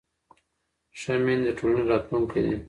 ښه میندې د ټولنې راتلونکی دي.